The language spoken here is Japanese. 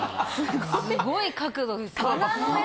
すごい角度ですね。